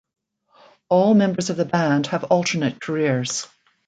All members of the band have alternate careers.